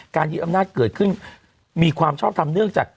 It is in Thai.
ยึดอำนาจเกิดขึ้นมีความชอบทำเนื่องจาก